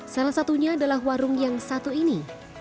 salah satunya adalah warung yang satu ini